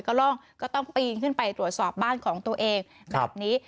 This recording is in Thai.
ก็ร่องก็ต้องปีนขึ้นไปตรวจสอบบ้านของตัวเองแบบนี้